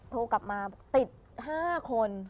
โทรกลับมาติด๕คน